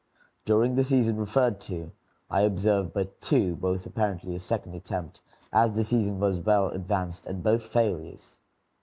During the season referred to I observed but two, both apparently a second attempt, as the season was well advanced, and both failures.